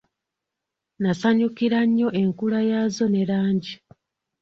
Nasanyukira nnyo enkula yaazo ne langi.